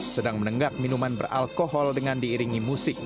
sedang menenggak minuman beralkohol dengan diiringi musik